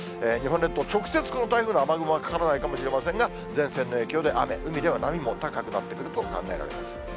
日本列島、直接この台風の雨雲はかからないかもしれませんが、前線の影響で雨、海では波も高くなってくると考えられます。